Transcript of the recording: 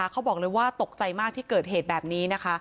เขาบอกเลยว่าตกใจมากที่เกิดเหตุแบบนี้นะคะ